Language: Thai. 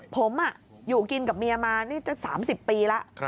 ผมอยู่กินกับเมียมานี่จะ๓๐ปีแล้ว